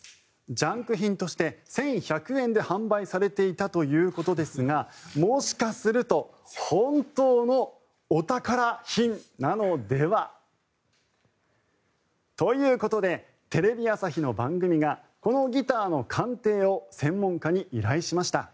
ジャンク品として１１００円で販売されていたということですがもしかすると本当のお宝品なのでは。ということでテレビ朝日の番組がこのギターの鑑定を専門家に依頼しました。